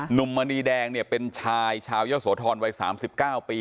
มณีแดงเนี่ยเป็นชายชาวเยอะโสธรวัย๓๙ปี